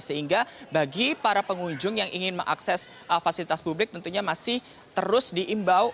sehingga bagi para pengunjung yang ingin mengakses fasilitas publik tentunya masih terus diimbau